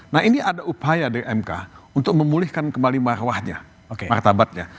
nah ini ada upaya dari mk untuk memulihkan kembali marwahnya martabatnya